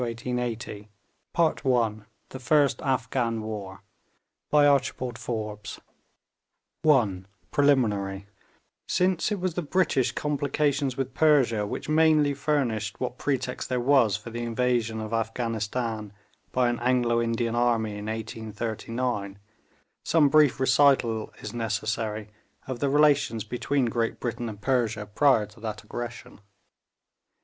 _THE AFGHAN WARS PART I: THE FIRST AFGHAN WAR CHAPTER I: PRELIMINARY Since it was the British complications with Persia which mainly furnished what pretext there was for the invasion of Afghanistan by an Anglo Indian army in 1839, some brief recital is necessary of the relations between Great Britain and Persia prior to that aggression.